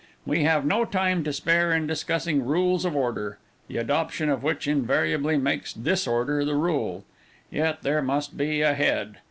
We have no time to spare in discussing rules of order, the adoption of which invariably makes disorder the rule. Yet, there must be a head.